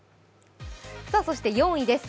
そして４位です。